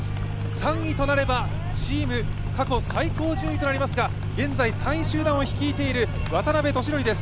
３位となればチーム過去最高順位となりますが現在、３位集団を率いている渡邉利典です。